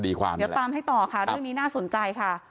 เดี๋ยวตามให้ต่อค่ะเรื่องนี้น่าสนใจค่ะ